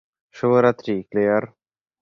শুভরাত্রি, ক্লেয়ার।